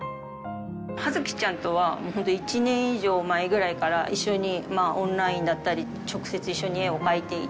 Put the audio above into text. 葉月ちゃんとは１年以上前ぐらいから一緒にオンラインだったり直接一緒に絵を描いていて。